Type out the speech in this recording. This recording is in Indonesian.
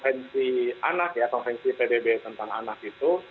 tensi anak ya konvensi pbb tentang anak itu